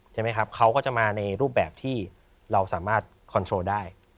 ใช่ไหมครับเขาก็จะมาในรูปแบบที่เราสามารถคอนโทรได้